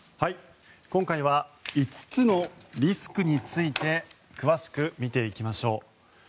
今回は５つのリスクについて詳しく見ていきましょう。